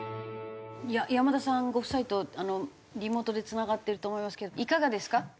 山田さんご夫妻とリモートでつながってると思いますけどいかがですか？